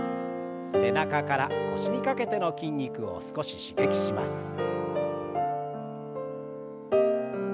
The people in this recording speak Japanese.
背中から腰にかけての筋肉を少し刺激します。